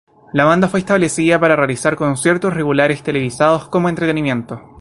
La banda fue establecida para realizar conciertos regulares televisados como entretenimiento.